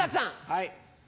はい。